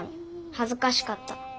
はずかしかった。